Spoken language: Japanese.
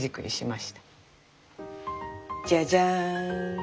じゃじゃん！